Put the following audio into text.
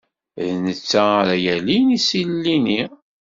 D netta ara yalin isili-nni.